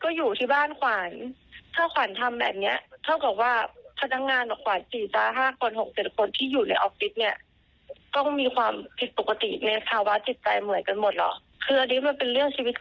คืออันนี้มันเป็นเรื่องชีวิตจริงมันไม่ใช่ในละคร